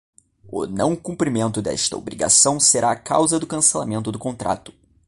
O não cumprimento desta obrigação será a causa do cancelamento do contrato.